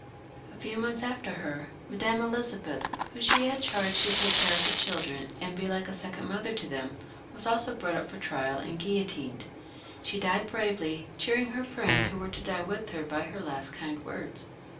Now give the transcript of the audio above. A few months after her, Madame Elizabeth, whom she had chaiged to take care of her children, and be like a second mother to them, was also brought up for trial and guillotined. She died bravely, cheering her friends who were to die with her by her last kind words.